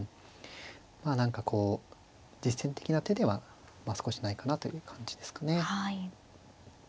何かこう実戦的な手ではまあ少しないかなという感じですかね。